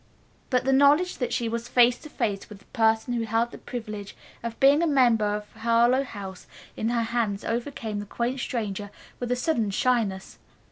But the knowledge that she was face to face with the person who held the privilege of being a member of Harlowe House in her hands overcame the quaint stranger with a sudden shyness.